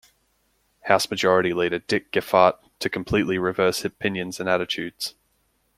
House Majority Leader Dick Gephardt to completely reverse opinions and attitudes.